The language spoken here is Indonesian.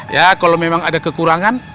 ya kalau memang ada kekurangan